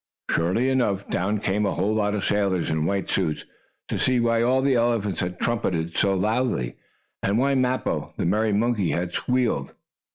Surely enough, down came a whole lot of sailors, in white suits, to see why all the elephants had trumpeted so loudly, and why Mappo, the merry monkey, had squealed.